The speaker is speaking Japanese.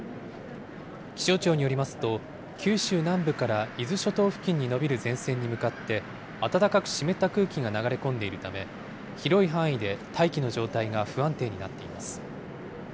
気象庁によりますと、九州南部から伊豆諸島付近に延びる前線に向かって、暖かく湿った空気が流れ込んでいるため、広い範囲で大気の状態が不安定になっています。